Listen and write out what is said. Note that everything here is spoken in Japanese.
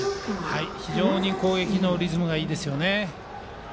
非常に攻撃のリズムがいいですよね。